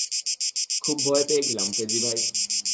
খুব ভয় পেয়ে গিয়েছিলাম, ফেজি ভাই।